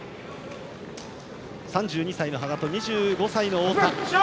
３２歳の羽賀と２５歳の太田。